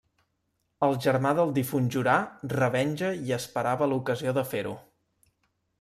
El germà del difunt jurà revenja i esperava l’ocasió de fer-ho.